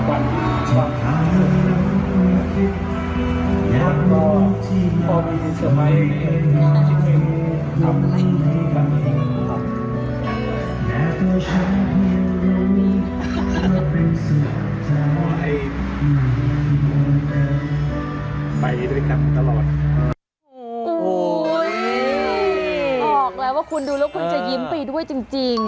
บอกแล้วว่าคุณดูแล้วคุณจะยิ้มไปด้วยจริง